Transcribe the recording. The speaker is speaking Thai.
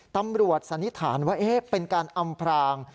สันนิษฐานว่าเป็นการอำพราง